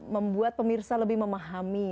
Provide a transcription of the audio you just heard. membuat pemirsa lebih memahami